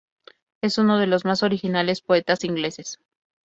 Es uno de los más originales poetas ingleses.